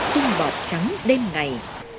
tung bọt trắng đêm ngày